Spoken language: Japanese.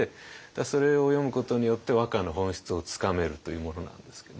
それを読むことによって和歌の本質をつかめるというものなんですけど。